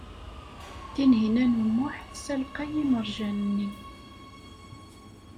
Tinhinan u Muḥ tessalqey imerjan-nni.